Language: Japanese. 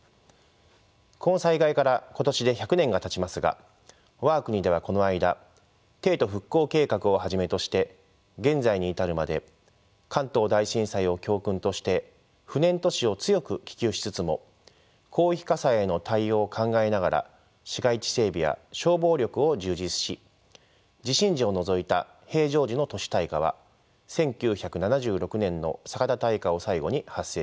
この災害から今年で１００年がたちますが我が国ではこの間帝都復興計画をはじめとして現在に至るまで関東大震災を教訓として不燃都市を強く希求しつつも広域火災への対応を考えながら市街地整備や消防力を充実し地震時を除いた平常時の都市大火は１９７６年の酒田大火を最後に発生していません。